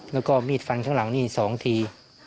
แล้วก็มีดฟันข้างหลังนี่๒ที